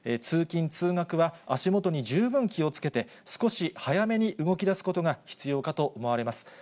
通勤・通学は、足元に十分気をつけて、少し早めに動きだすことが必要かと思われます。